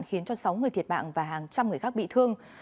khiến cho sáu người thiệt mạng và hàng trăm người khác bị thương